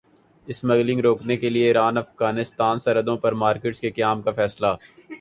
smuggling روکنے کیلئے Iran Afghanistan سرحدوں پر مارکیٹس کے قیام کا فیصلہ